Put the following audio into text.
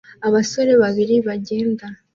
Abasore babiri bagenda